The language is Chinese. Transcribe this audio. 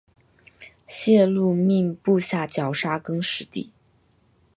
谢禄命部下绞杀更始帝。